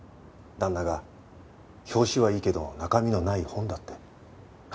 旦那が表紙はいいけど中身のない本だって。